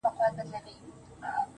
ولي مي هره شېبه، هر ساعت پر اور کړوې~